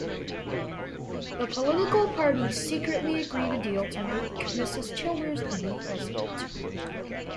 The political parties secretly agreed a deal to make Mrs Childers the new president.